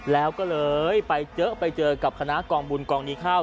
แล้วก็เลยไปเจอไปเจอกับคณะกองบุญกองนี้ข้าว